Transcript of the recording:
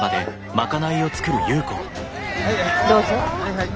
どうぞ。